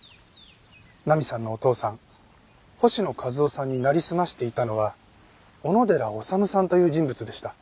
菜美さんのお父さん星野一男さんになりすましていたのは小野寺修さんという人物でした。